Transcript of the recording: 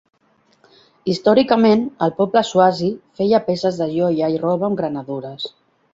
Històricament el poble Swazi feia peces de joia i roba amb granadures.